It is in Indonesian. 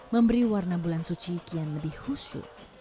memberi warna bulan suci kian lebih husu